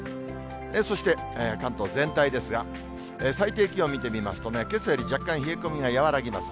そして、関東全体ですが、最低気温見てみますとね、けさより若干、冷え込みが和らぎます。